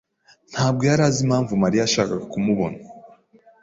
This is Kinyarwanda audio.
ntabwo yari azi impamvu Mariya yashakaga kumubona.